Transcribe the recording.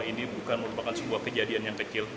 ini bukan merupakan sebuah kejadian yang kecil